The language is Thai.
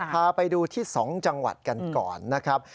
พาไปดูที่๒จังหวัดกันก่อนนะครับ